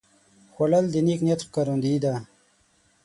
خوړل د نیک نیت ښکارندویي ده